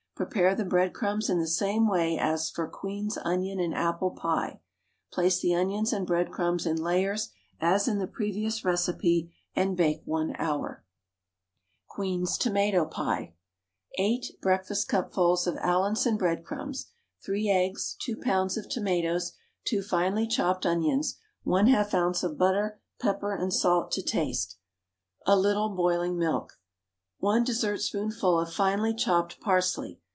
Prepare the breadcrumbs in the same way as for "Queen's Onion and Apple Pie," place the onions and breadcrumbs in layers as in the previous recipe, and bake 1 hour. QUEEN'S TOMATO PIE. 8 breakfastcupfuls of Allinson breadcrumbs, 3 eggs, 2 lbs. of tomatoes, 2 finely chopped onions, 1/2 oz. of butter, pepper and salt to taste, a little boiling milk; 1 dessertspoonful of finely chopped parsley.